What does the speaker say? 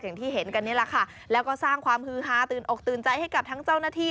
อย่างที่เห็นกันนี่แหละค่ะแล้วก็สร้างความฮือฮาตื่นอกตื่นใจให้กับทั้งเจ้าหน้าที่